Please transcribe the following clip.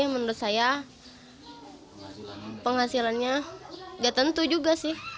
menurut saya penghasilannya gak tentu juga sih